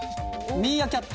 「ミーアキャット」？